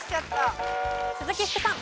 鈴木福さん。